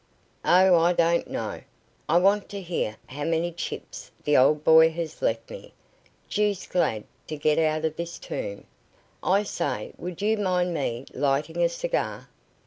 "Oh, I don't know. I want to hear how many chips the old boy has left me. Deuced glad to get out of this tomb. I say, would you mind me lighting a cigar?"